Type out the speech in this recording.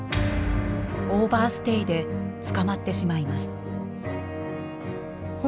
オーバーステイで捕まってしまいます。